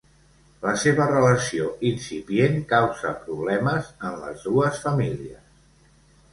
La seva relació incipient causa problemes en les dues famílies.